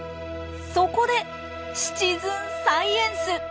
そこでシチズンサイエンス！